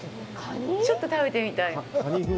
ちょっと食べてみたい。